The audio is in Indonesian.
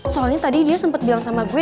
soalnya tadi dia sempat bilang sama gue